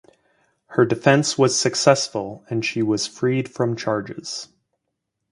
Her defense was successful and she was freed from charges.